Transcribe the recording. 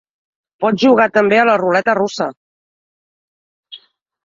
Pots jugar també a la ruleta russa.